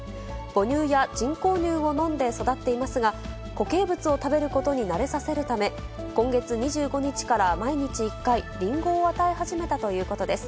母乳や人工乳を飲んで育っていますが、固形物を食べることに慣れさせるため、今月２５日から毎日１回、リンゴを与え始めたということです。